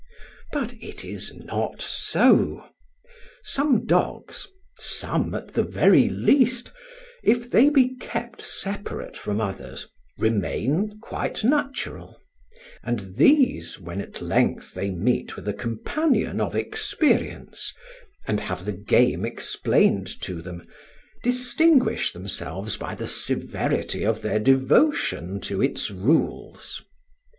But it is not so. Some dogs some, at the very least if they be kept separate from others, remain quite natural; and these, when at length they meet with a companion of experience, and have the game explained to them, distinguish themselves by the severity of their devotion to its rules.